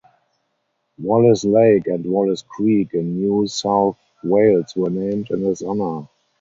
Wallis Lake and Wallis Creek in New South Wales were named in his honour.